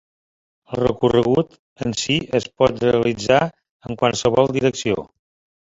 El recorregut en si es pot realitzar en qualsevol direcció.